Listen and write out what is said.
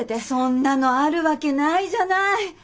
そんなのあるわけないじゃない。